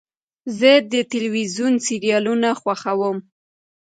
زه د تلویزیون سریالونه خوښوم.